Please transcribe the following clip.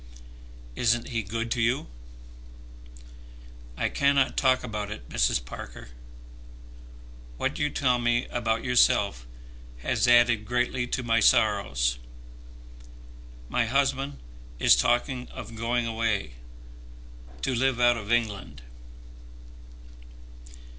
"Isn't he good to you?" "I cannot talk about it, Mrs. Parker. What you tell me about yourself has added greatly to my sorrows. My husband is talking of going away, to live out of England."